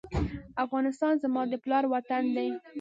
افغانستان زما د پلار وطن دی